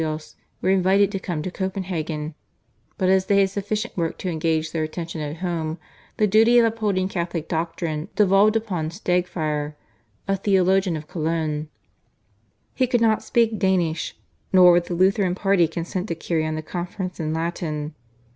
Eck and Cochlaeus were invited to come to Copenhagen, but as they had sufficient work to engage their attention at home, the duty of upholding Catholic doctrine devolved upon Stagefyr, a theologian of Cologne. He could not speak Danish, nor would the Lutheran party consent to carry on the conference in Latin.